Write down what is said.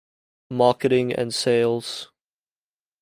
Marketing and Sales.